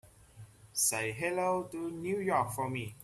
Say hello to New York for me.